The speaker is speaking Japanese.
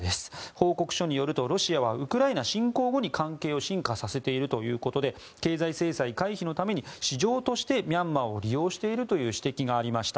報告書によるとロシアはウクライナ侵攻後に関係を深化させているということで経済制裁経費のために市場としてミャンマーを利用しているという指摘がありました。